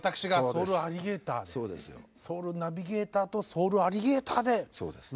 ソウルナビゲーターとソウルアリゲーターで歌おうじゃないか。